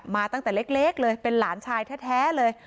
ตั้งแต่เล็กเลยเป็นหลานชายแท้เลย